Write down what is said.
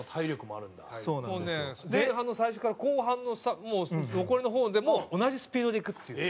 もうね前半の最初から後半の残りの方でも同じスピードで行くっていう。